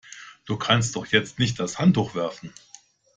Du kannst doch jetzt nicht das Handtuch werfen!